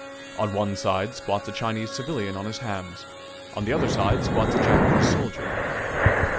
On one side squats a Chinese civilian on his hams, on the other side squats a Japanese soldier.